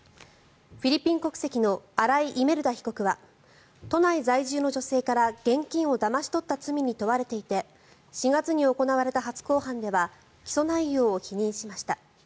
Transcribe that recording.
フィリピン国籍の新井イメルダ被告は都内在住の女性から、現金をだまし取った罪に問われていて４月に行われた初公判では起訴内容を否認しました。